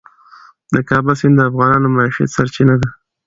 د کابل سیند د افغانانو د معیشت سرچینه ده.